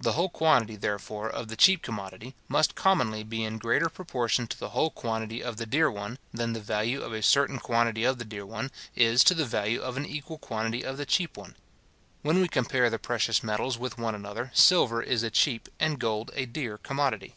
The whole quantity, therefore, of the cheap commodity, must commonly be greater in proportion to the whole quantity of the dear one, than the value of a certain quantity of the dear one, is to the value of an equal quantity of the cheap one. When we compare the precious metals with one another, silver is a cheap, and gold a dear commodity.